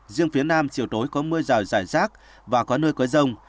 riêng phía nam chiều tối có mưa rào rải rác và có nơi có rông